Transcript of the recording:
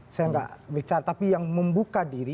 saya nggak bicara tapi yang membuka diri